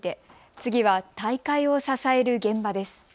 次は大会を支える現場です。